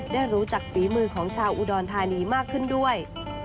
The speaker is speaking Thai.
ได้รู้จักฝีมือของชาวอุดรธานีมากขึ้นด้วย